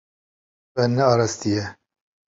We nearastiye.